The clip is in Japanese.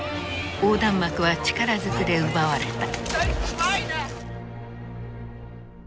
横断幕は力ずくで奪われた。